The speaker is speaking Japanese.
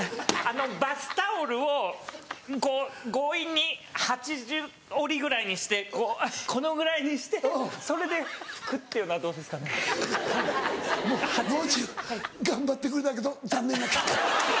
バスタオルをこう強引に８重折りぐらいにしてこのぐらいにしてそれで拭くっていうのはどうですかね。ももう中頑張ってくれたけど残念な結果。